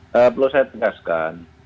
perlu saya tegaskan